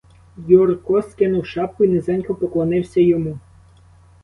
Юрко скинув шапку й низенько поклонився йому.